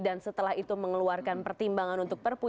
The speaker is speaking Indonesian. dan setelah itu mengeluarkan pertimbangan untuk perpu